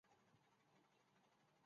大且重的球形花朵会垂在枝头。